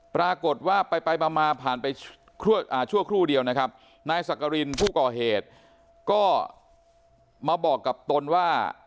ปรากฏว่าไปมาผ่านไปชั่วครู่เดียวนะครับนายสักกรินผู้ก่อเหตุก็มาบอกกับตนว่า